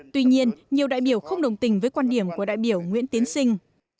tuy nhiên nhiều đại biểu không đồng tình với quan điểm của đại biểu nguyễn tiến sinh